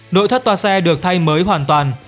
nội thất tòa xe được thay mới hoàn toàn